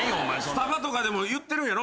スタバとかでも言ってるんやろ。